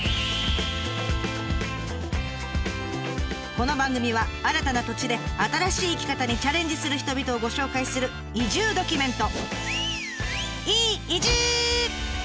この番組は新たな土地で新しい生き方にチャレンジする人々をご紹介する移住ドキュメント！